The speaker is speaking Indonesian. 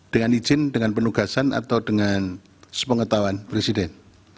dengan izin dengan penugasan atau dengan sepengetahuan presiden